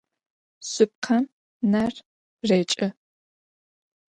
Şsıpkhem ner rêç'ı.